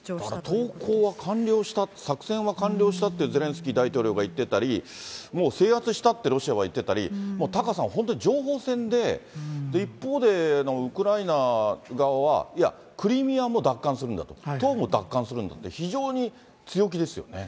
投降は完了した、作戦は完了したってゼレンスキー大統領が言ってたり、もう制圧したって、ロシアは言ってたり、もうタカさん、本当に情報戦で、一方で、ウクライナ側は、いや、クリミアも奪還するんだと、東部も奪還するんだと、非常に強気ですよね。